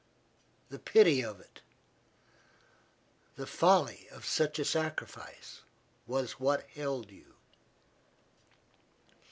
The pity of it, the folly of such a sacrifice was what held you.